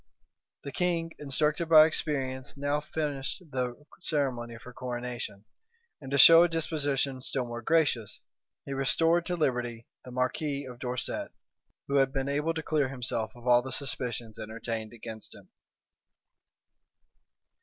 The king, instructed by experience, now finished the ceremony of her coronation; and to show a disposition still more gracious, he restored to liberty the marquis of Dorset, who had been able to clear himself of all the suspicions entertained against him.